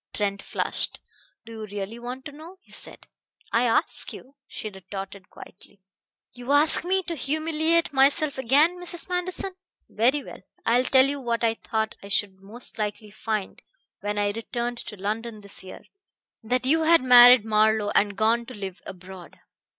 Trent flushed. "Do you really want to know?" he said. "I ask you," she retorted quietly. "You ask me to humiliate myself again, Mrs. Manderson. Very well. I will tell you what I thought I should most likely find when I returned to London this year: that you had married Marlowe and gone to live abroad."